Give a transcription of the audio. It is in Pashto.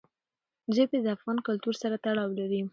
ژبې د افغان کلتور سره تړاو لري.